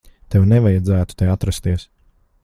Tev nevajadzētu te atrasties.